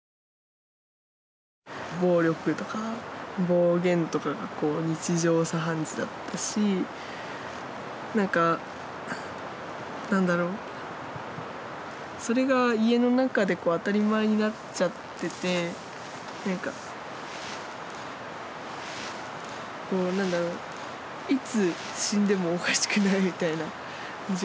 暴力とか暴言とかがこう日常茶飯事だったし何か何だろうそれが家の中でこう当たり前になっちゃってて何かこう何だろういつ死んでもおかしくないみたいな状況で。